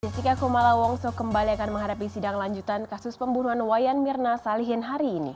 jessica kumala wongso kembali akan menghadapi sidang lanjutan kasus pembunuhan wayan mirna salihin hari ini